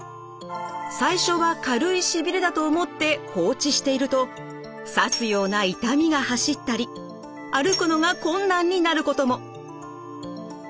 最初は軽いしびれだと思って放置していると刺すような痛みが走ったり歩くのが困難になることも。